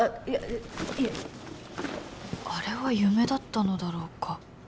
いやいえあれは夢だったのだろうか？